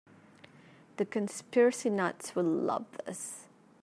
The conspiracy nuts will love this.